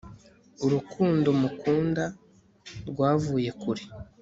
urukundo mu kunda rwavuye kure